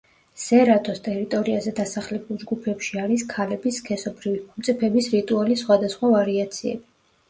სერადოს ტერიტორიაზე დასახლებულ ჯგუფებში არის ქალების სქესობრივი მომწიფების რიტუალის სხვადასხვა ვარიაციები.